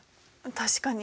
確かに。